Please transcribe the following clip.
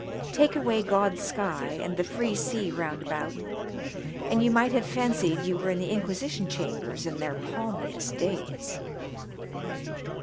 Take away God's sky, and the free sea round about, and you might have fancied you were in the Inquisition Chambers in their palmiest days